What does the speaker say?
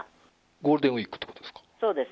ゴールデンウィークっていうことですか？